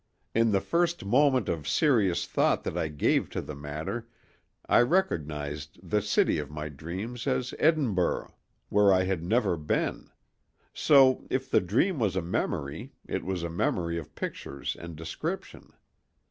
In the first moment of serious thought that I gave to the matter I recognized the city of my dream as Edinburgh, where I had never been; so if the dream was a memory it was a memory of pictures and description.